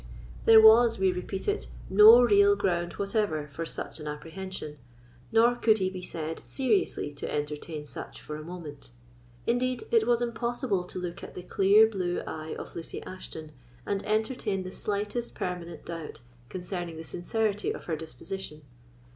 There was, we repeat it, no real ground whatever for such an apprehension, nor could he be said seriously to entertain such for a moment. Indeed, it was impossible to look at the clear blue eye of Lucy Ashton, and entertain the slightest permanent doubt concerning the sincerity of her disposition.